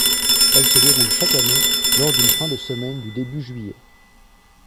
Elles se déroulent chaque année, lors d'une fin de semaine du début juillet.